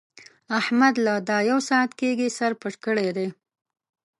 احمد له دا يو ساعت کېږي سر پټ کړی دی.